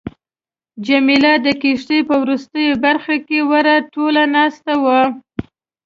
جميله د کښتۍ په وروستۍ برخه کې ورله ټوله ناسته وه.